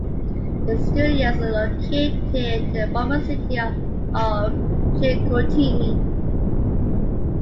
Its studios are located in the former city of Chicoutimi.